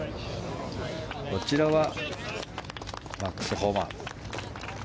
こちらはマックス・ホマ。